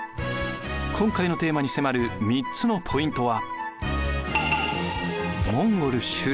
今回のテーマに迫る３つのポイントは。